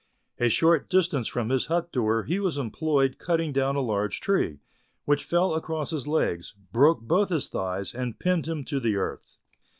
A short distance from his hut door he was employed cutting down a large tree, which fell across his legs, broke both his thighs, and pinned him to the earth.